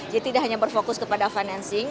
jadi tidak hanya berfokus kepada financing